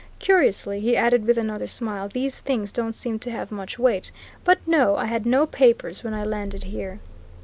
Curiously," he added with another smile, "these things don't seem to have much weight. But no! I had no papers when I landed here."